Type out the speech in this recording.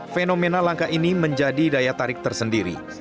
fenomena langka ini menjadi daya tarik tersendiri